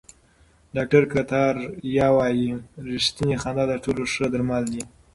ډاکټر کتاریا وايي ریښتینې خندا تر ټولو ښه درمل دي.